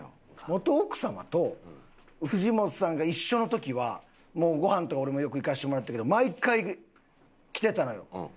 元奥様と藤本さんが一緒の時はもうごはんとか俺もよく行かしてもらったけど毎回着てたのよ。